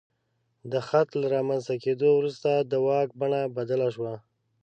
د خط له رامنځته کېدو وروسته د واک بڼه بدله شوه.